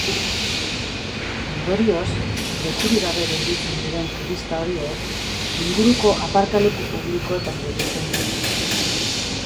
Ondorioz, lekurik gabe gelditzen diren turista horiek inguruko aparkaleku publikoetan gelditzen dira.